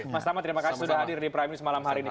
mas tama terima kasih sudah hadir di prime news malam hari ini